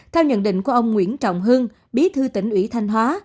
theo nhận định của ông nguyễn trọng hưng bí thư tỉnh ủy thanh hóa